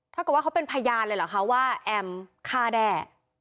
ถ้าเกิดว่าเขาเป็นพยานเลยเหรอคะว่าแอมฆ่าแด้